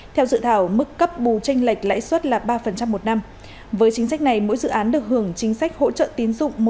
theo dự thảo mức cấp bù tranh lệch lãi suất là ba một năm